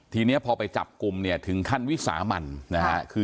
ทีนี้พอไปจับกลุ่มเนี่ยถึงขั้นวิสามันนะฮะ